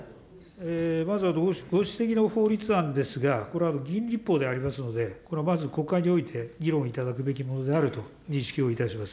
まずはご指摘の法律案ですが、これは議員立法ではありますので、まず、国会において、議論いただくべきものであると認識をいたします。